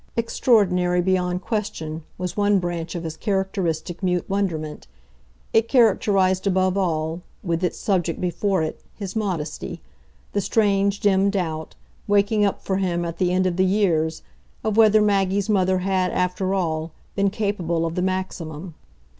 Extraordinary, beyond question, was one branch of his characteristic mute wonderment it characterised above all, with its subject before it, his modesty: the strange dim doubt, waking up for him at the end of the years, of whether Maggie's mother had, after all, been capable of the maximum.